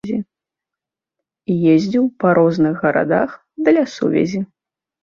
Ездзіў па розных гарадах для сувязі.